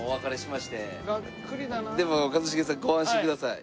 でも一茂さんご安心ください。